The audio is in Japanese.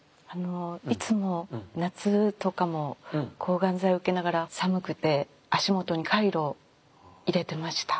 いつも夏とかも抗がん剤を受けながら寒くて足元にカイロを入れてました。